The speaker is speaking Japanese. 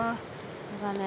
そうだね。